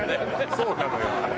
そうなのよあれ。